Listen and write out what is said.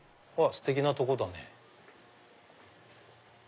ステキなとこだね。